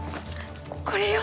これよ。